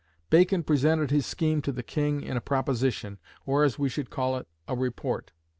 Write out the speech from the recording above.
Bacon presented his scheme to the King in a Proposition, or, as we should call it, a Report.